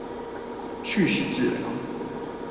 敘事治療